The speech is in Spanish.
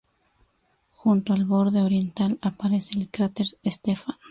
Junto al borde oriental aparece el cráter Stefan.